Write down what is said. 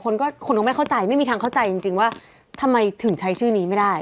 คนก็คนก็ไม่เข้าใจไม่มีทางเข้าใจจริงว่าทำไมถึงใช้ชื่อนี้ไม่ได้